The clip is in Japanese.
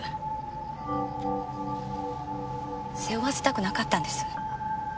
背負わせたくなかったんです。